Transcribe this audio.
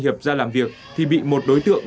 hiệp ra làm việc thì bị một đối tượng